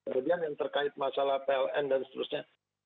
kemudian yang terkait masalah pln dan seterusnya